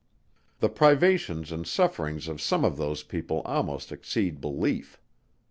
The privations and sufferings of some of those people almost exceed belief.